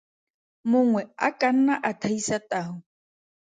Mongwe a ka nna a thaisa tau.